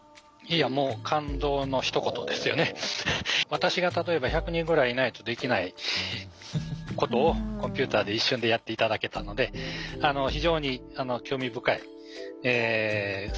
私が例えば１００人ぐらいいないとできないことをコンピューターで一瞬でやって頂けたので非常に興味深い成果だと思います。